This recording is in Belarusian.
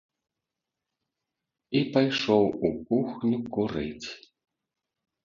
І пайшоў у кухню курыць.